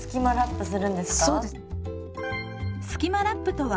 そうです。